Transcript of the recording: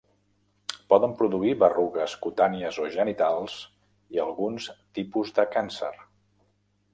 Poden produir berrugues cutànies o genitals i alguns tipus de càncer.